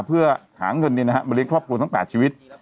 เพื่อหาเงินมาเลี้ยงครอบครัวทั้ง๘ชีวิต